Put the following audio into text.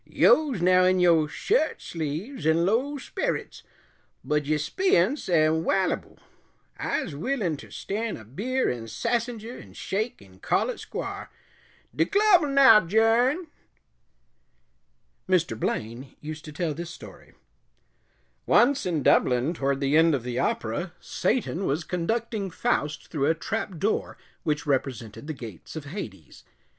Yo's now in yo' shirt sleeves 'n' low sperrets, bud de speeyunce am wallyble. I'se willin' ter stan' a beer an' sassenger, 'n' shake 'n' call it squar'. De club 'll now 'journ." Mr. Blaine used to tell this story: Once in Dublin, toward the end of the opera, Satan was conducting Faust through a trap door which represented the gates of Hades.